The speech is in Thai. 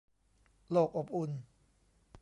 โลกอบอุ่น